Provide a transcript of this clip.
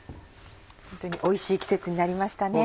ホントにおいしい季節になりましたね。